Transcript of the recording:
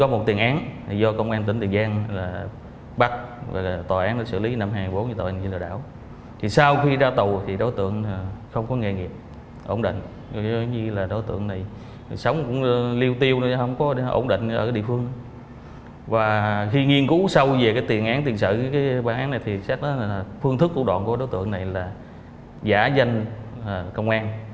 một người hóa danh công an